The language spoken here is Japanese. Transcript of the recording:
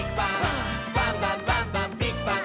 「バンバンバンバンビッグバン！」